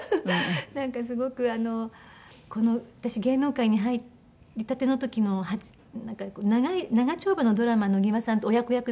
なんかすごくこの私芸能界に入りたての時の長丁場のドラマ野際さんと親子役だったんですけども。